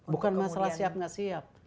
bukan masalah siap nggak siap